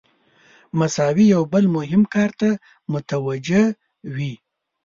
مساوي یو بل مهم کار ته متوجه وي.